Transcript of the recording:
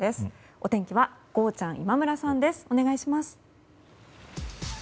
お天気は、ゴーちゃん。今村さんです。